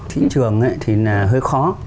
thị trường thì hơi khó